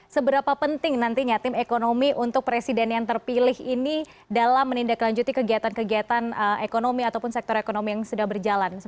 seberapa penting nantinya tim ekonomi untuk presiden yang terpilih ini dalam menindaklanjuti kegiatan kegiatan ekonomi ataupun sektor ekonomi yang sudah berjalan